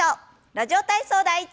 「ラジオ体操第１」。